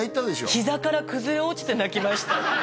膝から崩れ落ちて泣きました